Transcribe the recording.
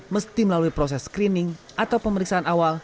mesti melalui proses screening atau pemeriksaan awal